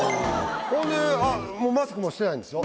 ほんでマスクもしてないんですよ。